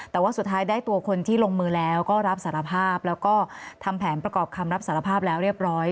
แต่ว่าสุดท้ายได้ตัวคนที่ลงมือแล้วก็รับสารภาพแล้วก็ทำแผนประกอบคำรับสารภาพแล้วเรียบร้อย